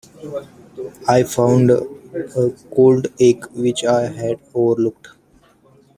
I found a cold egg which I had overlooked.